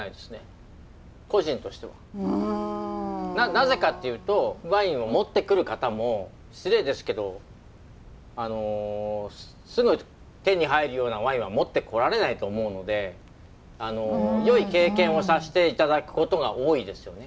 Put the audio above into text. なぜかっていうとワインを持ってくる方も失礼ですけどすぐ手に入るようなワインは持ってこられないと思うのでよい経験をさせて頂くことが多いですよね。